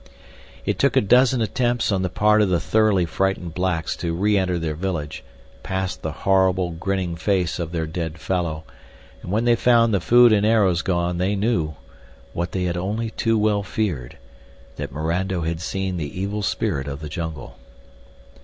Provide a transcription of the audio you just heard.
It took a dozen attempts on the part of the thoroughly frightened blacks to reenter their village, past the horrible, grinning face of their dead fellow, and when they found the food and arrows gone they knew, what they had only too well feared, that Mirando had seen the evil spirit of the jungle.